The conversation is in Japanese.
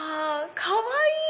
かわいい！